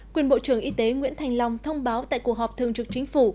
quyền bộ trưởng y tế nguyễn thành long thông báo tại cuộc họp thường trực chính phủ